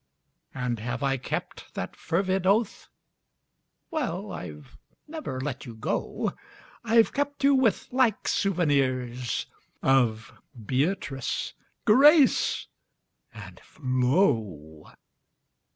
And have I kept that fervid oath? Well I've never let you go: I've kept you with like souvenirs Of Beatrice, Grace and Flo.